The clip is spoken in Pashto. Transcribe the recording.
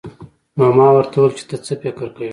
نو ما ورته وويل چې ته څه فکر کوې.